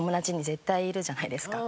絶対いるじゃないですか。